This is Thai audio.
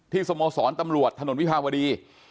ที่สมสรรค์ตำรวจถนนวิพาวดี